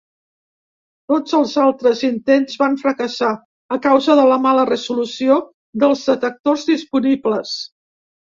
Tots els altres intents van fracassar a causa de la mala resolució dels detectors disponibles.